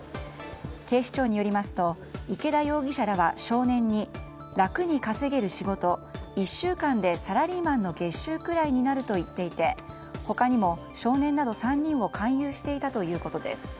警視庁によりますと池田容疑者らは少年に楽に稼げる仕事１週間でサラリーマンの月収くらいになると言っていて他にも少年など３人を勧誘していたということです。